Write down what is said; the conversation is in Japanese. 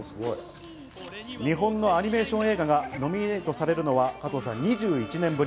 日本のアニメーション映画がノミネートされるのは２１年ぶり。